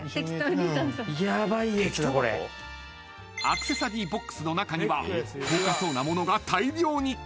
［アクセサリーボックスの中には高価そうなものが大量に！］